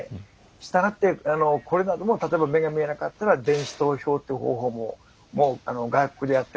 したがってこれなども例えば目が見えなかったら電子投票っていう方法ももう外国でやってますしね。